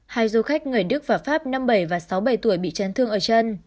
hai du khách người đức và pháp năm bảy và sáu mươi bảy tuổi bị chấn thương ở chân